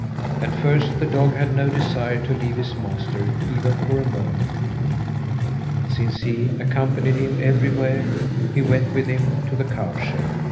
At first the dog had no desire to leave his master even for a moment. Since he accompanied him everywhere, he went with him to the cow shed.